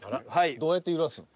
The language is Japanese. どうやって揺らすの？